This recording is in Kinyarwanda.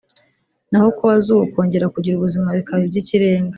naho uko wazuwe ukongera kugira ubuzima bikaba iby’ikirenga